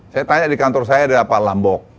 saya tanya di kantor saya ada pak lambok